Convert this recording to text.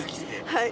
はい。